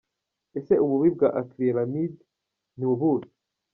Ese ububi bwa acrylamide ni ubuhe?.